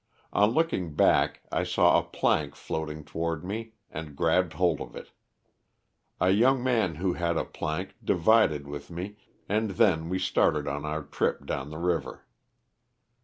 On looking back I saw a plank floating toward me and grabbed hold of it. A young man who had a plank divided with me, and then we started on our trip down the river.